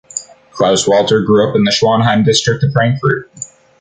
Klaus Walter grew up in the Schwanheim district of Frankfurt.